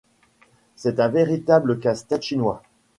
C'était un véritable casse-tête chinois.